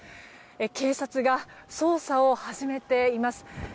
警察が捜査を始めています。